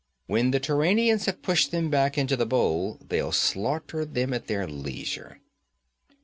When the Turanians have pushed them back into the bowl, they'll slaughter them at their leisure.'